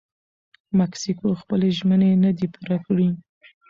مکسیکو خپلې ژمنې نه دي پوره کړي.